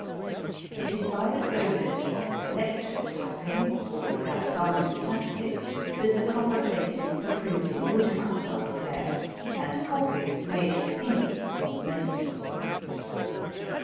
It is by the process of electrotyping or galvano plastics that the copper faces for printing woodcuts are prepared, and copies made of seals or medals.